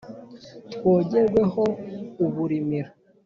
Twogerwe ho uburimiro